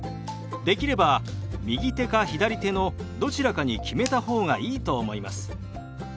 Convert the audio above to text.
できれば右手か左手のどちらかに決めた方がいいと思います。